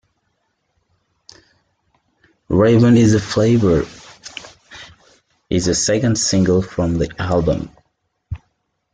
"Raven Is the Flavor" is the second single from the album.